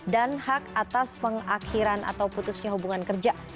dan hak atas pengakhiran atau putusnya hubungan kerja